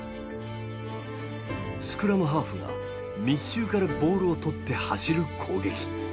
スクラムハーフが密集からボールを取って走る攻撃。